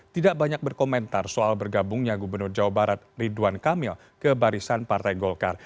tidak banyak berkomentar soal bergabungnya gubernur jawa barat ridwan kamil ke barisan partai golkar